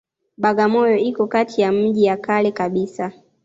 Bagamoyo iko kati ya miji ya kale kabisa